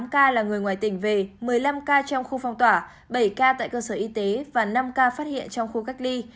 một mươi ca là người ngoài tỉnh về một mươi năm ca trong khu phong tỏa bảy ca tại cơ sở y tế và năm ca phát hiện trong khu cách ly